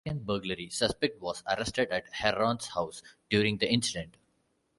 A second burglary suspect was arrested at Herron's house during the incident.